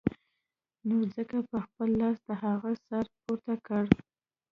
نو ځکه يې په خپل لاس د هغې سر پورته کړ.